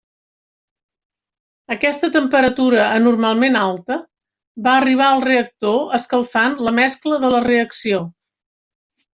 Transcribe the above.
Aquesta temperatura anormalment alta va arribar al reactor escalfant la mescla de la reacció.